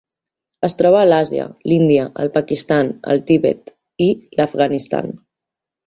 Es troba a Àsia: l'Índia, el Pakistan, el Tibet i l'Afganistan.